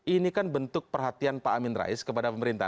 ini kan bentuk perhatian pak amin rais kepada pemerintah